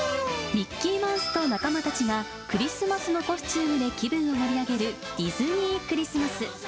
ミッキーマウスと仲間たちが、クリスマスのコスチュームで気分を盛り上げるディズニー・クリスマス。